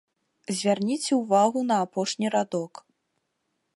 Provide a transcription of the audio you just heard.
Звярніце ўвагу на апошні радок.